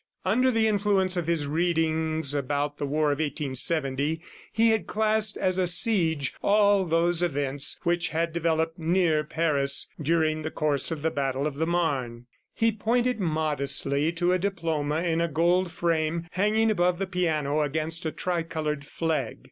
Under the influence of his readings about the war of 1870, he had classed as a siege all those events which had developed near Paris during the course of the battle of the Marne. He pointed modestly to a diploma in a gold frame hanging above the piano against a tricolored flag.